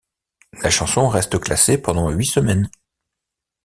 La chanson reste classée pendant huit semaines.